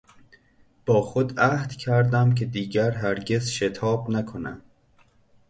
با خود عهد کردم که دیگر هرگز شتاب نکنم.